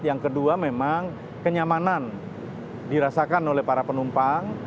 yang kedua memang kenyamanan dirasakan oleh para penumpang